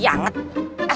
bukanya lama amat